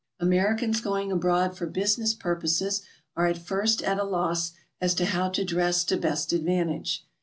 Americans going abroad for business purposes are at first at a loss as to how to dress to best advantage.